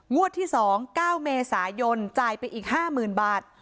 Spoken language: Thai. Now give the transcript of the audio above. งวดที่๒๙เมษายนจ่ายไปอีก๕๐๐๐บาท